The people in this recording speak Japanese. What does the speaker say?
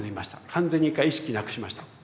完全に一回意識なくしました。